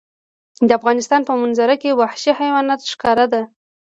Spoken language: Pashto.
د افغانستان په منظره کې وحشي حیوانات ښکاره ده.